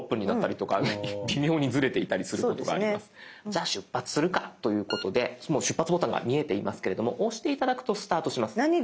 じゃあ出発するかということでもう「出発」ボタンが見えていますけれども押して頂くとスタートします。